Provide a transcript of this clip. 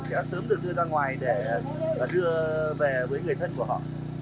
sẽ sớm được đưa ra ngoài để đưa về với người thân của họ